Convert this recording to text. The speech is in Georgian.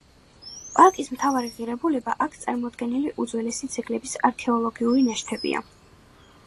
პარკის მთავარი ღირებულება აქ წარმოდგენილი უძველესი ძეგლების არქეოლოგიური ნაშთებია.